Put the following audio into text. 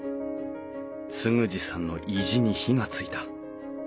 嗣二さんの意地に火がついた。